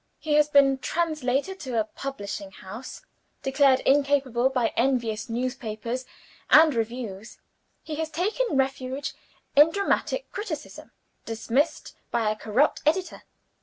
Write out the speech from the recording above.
He has been translator to a publishing house declared incapable by envious newspapers and reviews. He has taken refuge in dramatic criticism dismissed by a corrupt editor.